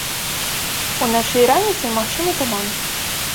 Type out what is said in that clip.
Уначы і раніцай магчымы туман.